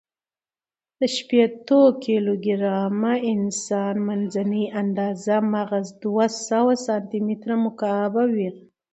د شپېتو کیلو ګرامه انسان، منځنۍ آندازه مغز دوهسوه سانتي متر مکعب و.